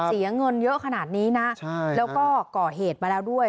เสียเงินเยอะขนาดนี้นะแล้วก็ก่อเหตุมาแล้วด้วย